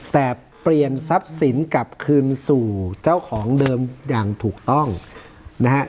แต่เปลี่ยนทรัพย์สินกลับคืนสู่เจ้าของเดิมอย่างถูกต้องนะฮะ